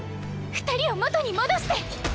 二人を元に戻して！